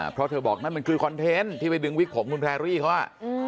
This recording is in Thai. เพราะเธอบอกนั่นมันคือคอนเทนต์ที่ไปดึงวิกผมคุณแพรรี่เขาอ่ะ